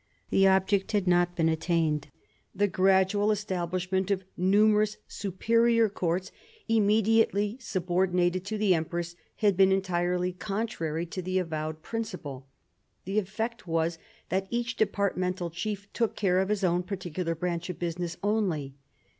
The object had not been attained. The gradual establishment of numerous superior courts immediately subordinated to the empress had been entirely contrary to the avowed principle. The effect was that each departmental chief took care of his own particular branch of business only.